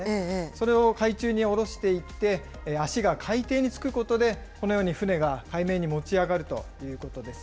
それを海中に降ろしていって、足が海底につくことで、このように船が海面に持ち上がるということです。